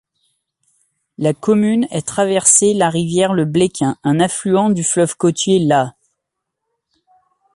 La commune est traversée la rivière le Bléquin, un affluent du fleuve côtier l'Aa.